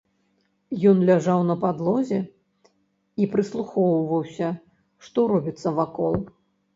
Ён ляжаў на падлозе і прыслухоўваўся, што робіцца вакол.